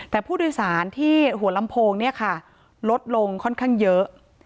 แต่ผู้โดยสารที่หัวลำโพงเนี่ยค่ะลดลงค่อนข้างเยอะ